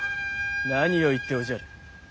何を言っておじゃる。